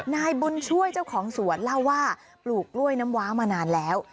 นายบุญช่วยเจ้าของสวนเล่าว่าปลูกกล้วยน้ำว้ามานานแล้ว